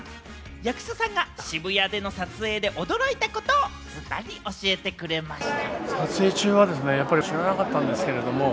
役所さんが渋谷での撮影で驚いたことをズバリ教えてくれました。